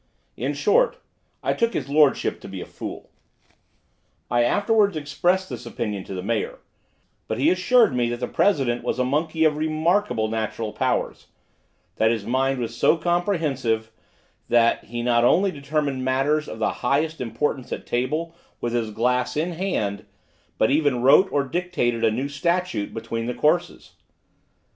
In short, I took his lordship to be a fool. I afterwards expressed this opinion to the mayor; but he assured me that the president was a monkey of remarkable natural powers; that his mind was so comprehensive, that he not only determined matters of the highest importance at table, with his glass in hand, but even wrote or dictated a new statute between the courses.